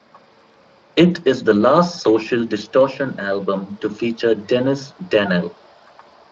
It is the last Social Distortion album to feature Dennis Danell.